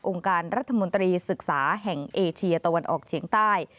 การรัฐมนตรีศึกษาแห่งเอเชียตะวันออกเฉียงใต้